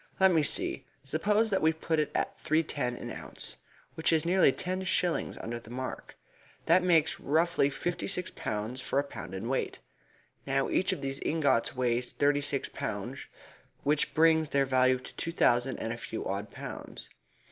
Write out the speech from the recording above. "Let me see. Suppose that we put it at three ten an ounce, which is nearly ten shillings under the mark. That makes, roughly, fifty six pounds for a pound in weight. Now each of these ingots weighs thirty six pounds, which brings their value to two thousand and a few odd pounds.